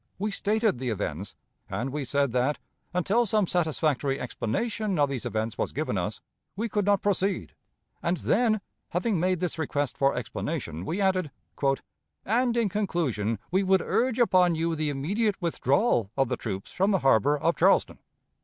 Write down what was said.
We stated the events, and we said that, until some satisfactory explanation of these events was given us, we could not proceed; and then, having made this request for explanation, we added: "And, in conclusion, we would urge upon you the immediate withdrawal of the troops from the harbor of Charleston.